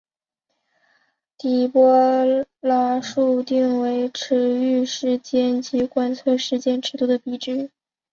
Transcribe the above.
底波拉数定义为驰豫时间及观测时间尺度的比值。